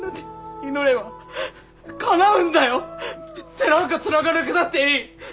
手なんかつながなくたっていい。